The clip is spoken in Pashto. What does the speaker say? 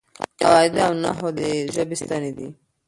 قواعد او نحو د ژبې ستنې دي.